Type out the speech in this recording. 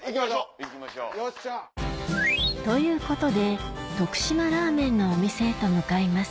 行きましょう。ということで徳島ラーメンのお店へと向かいます